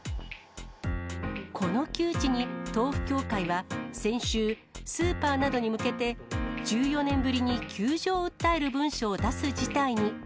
この窮地に、豆腐協会は先週、スーパーなどに向けて、１４年ぶりに窮状を訴える文書を出す事態に。